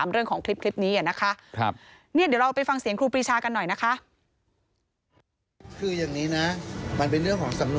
เดี๋ยวเราไปฟังเสียงครูปีชากันหน่อยนะคะ